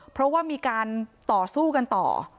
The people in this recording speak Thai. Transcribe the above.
เพราะว่ามีการต่อสู้กันต่อ